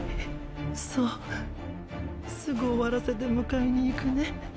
そうすぐ終わらせて迎えに行くね。